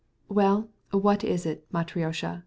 "Well, what is it, Matrona?"